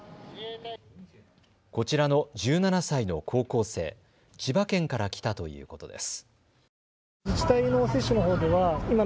こちらの１７歳の高校生、千葉県から来たということです。